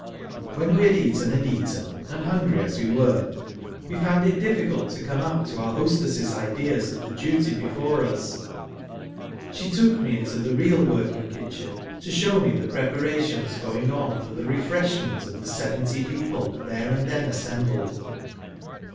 When we had eaten and I eaten — and, hungry as we were, we found it ! difficult to come up to our hostess's ideas of the duty before us — she took me into the real working kitchen, to show me the preparations going on for the refresliment of the seventy people there and then assembled.